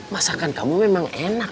masakan kamu memang enak